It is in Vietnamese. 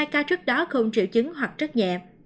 một mươi hai ca trước đó không triệu chứng hoặc rất nhẹ